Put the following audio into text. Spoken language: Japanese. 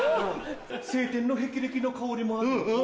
「青天の霹靂」の香りもあるよ。